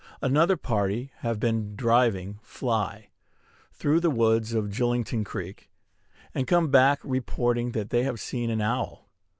Another party have been driving "Fly" through the woods to Julington Creek, and come back reporting that they have seen an owl.